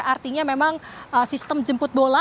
artinya memang sistem jemput bola